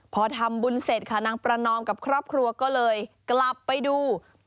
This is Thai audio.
พอทำบุญเสร็จค่ะนางประนอมกับครอบครัวก็เลยกลับไปดู